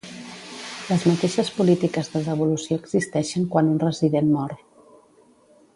Les mateixes polítiques de devolució existeixen quan un resident mor.